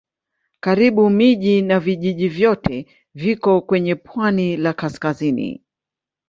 Karibu miji na vijiji vyote viko kwenye pwani la kaskazini.